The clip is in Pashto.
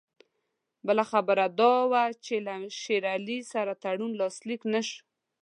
بله خبره دا ده چې له شېر علي سره تړون لاسلیک نه شو.